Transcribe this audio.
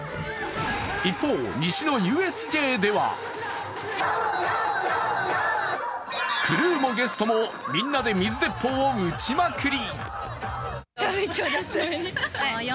一方、西のＵＳＪではクルーもゲストもみんなで水鉄砲を撃ちまくり。